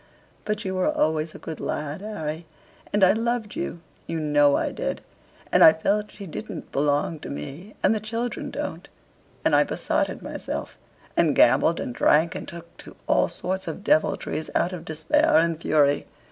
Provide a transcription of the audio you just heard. But you were always a good lad, Harry, and I loved you, you know I did. And I felt she didn't belong to me: and the children don't. And I besotted myself, and gambled and drank, and took to all sorts of deviltries out of despair and fury.